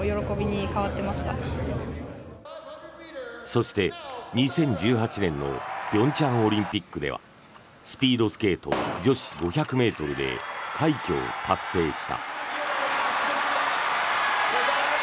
そして、２０１８年の平昌オリンピックではスピードスケート女子５００ｍで快挙を達成した。